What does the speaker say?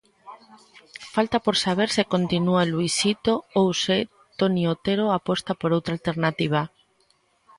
Falta por saber se continúa Luisito ou se Toni Otero aposta por outra alternativa.